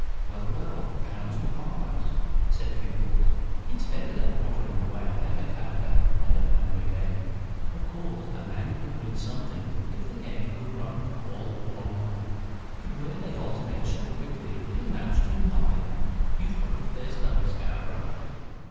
"Well, well; pounds and fives," said Vignolles. "It's better than pottering away at ecarte at a pound a game. Of course a man could win something if the games were to run all one way; but where they alternate so quickly it amounts to nothing. You've got the first dummy, Scarborough.